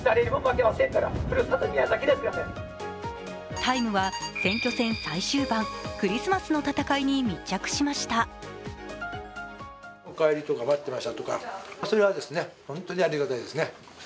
「ＴＩＭＥ，」は選挙戦最終盤、クリスマスの戦いに密着しました。